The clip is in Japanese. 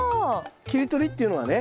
切り取りっていうのはね